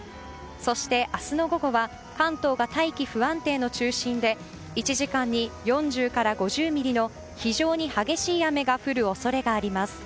そして、明日の午後は関東が大気不安定の中心で１時間に４０から５０ミリの非常に激しい雨が降る恐れがあります。